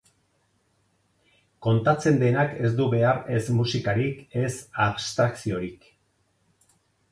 Kontatzen denak ez du behar ez musikarik ez abstrakziorik.